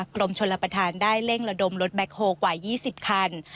กรมชนรับประธานได้เร่งละดมรถแมคฮอลกว่ายี่สิบคัน